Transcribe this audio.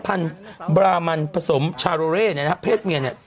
พันธุ์บรามันผสมชาโรเร่เนี่ยนะฮะเพศเมียเนี่ย